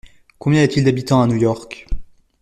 Combien y a-t-il d’habitants à New York ?